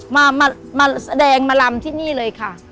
มาแสดงมารำที่นี่เลยค่ะ